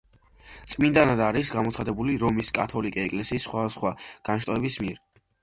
წმინდანად არის გამოცხადებული რომის კათოლიკე ეკლესიის სხვადასხვა განშტოების მიერ.